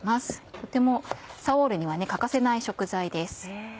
とてもサオールには欠かせない食材です。